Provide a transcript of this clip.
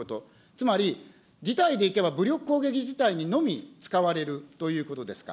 つまり、事態でいけば武力攻撃事態にのみ使われるということですか。